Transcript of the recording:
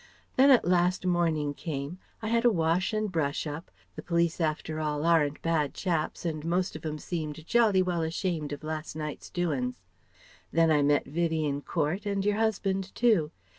Then at last morning came, I had a wash and brush up the police after all aren't bad chaps, and most of 'em seemed jolly well ashamed of last night's doin's Then I met Vivie in Court and your husband too.